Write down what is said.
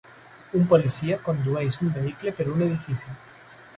Un policia condueix un vehicle per un edifici.